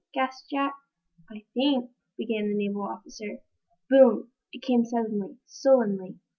gasped Jack. "I think " began the naval officer. Boom! It came suddenly, sullenly.